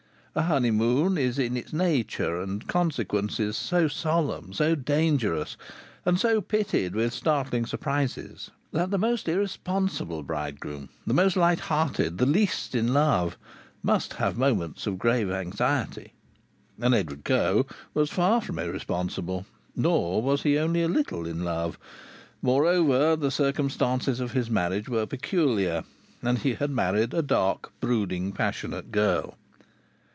A honeymoon is in its nature and consequences so solemn, so dangerous, and so pitted with startling surprises, that the most irresponsible bridegroom, the most light hearted, the least in love, must have moments of grave anxiety. And Edward Coe was far from irresponsible. Nor was he only a little in love. Moreover, the circumstances of his marriage were peculiar, and he had married a dark, brooding, passionate girl.